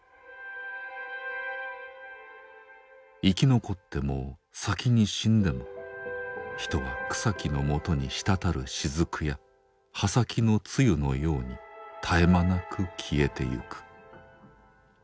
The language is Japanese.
生き残っても先に死んでも人は草木のもとに滴る雫や葉先の露のように絶え間なく消えてゆく。